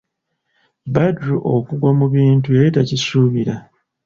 Badru okugwa mu bintu yali takisuubira.